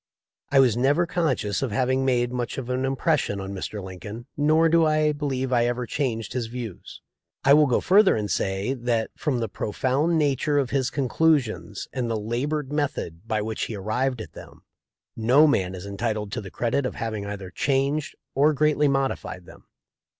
I was never conscious of having made much of an impression on Mr. Lin coln, nor do I believe I ever changed his views. I will go further and say, that, from the profound nature of his conclusions and the labored method by which he arrived at them, no man is entitled to the credit of having either changed or greatly modi fied them.